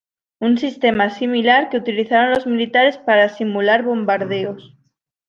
Un sistema similar que utilizaron los militares para simular bombardeos.